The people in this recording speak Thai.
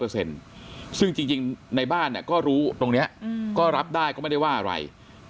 ซึ่งจริงในบ้านก็รู้ตรงนี้ก็รับได้ก็ไม่ได้ว่าอะไร